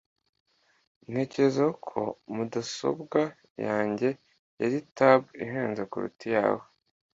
Ntekereza ko mudasobwa yanjye yari tad ihenze kuruta iyawe.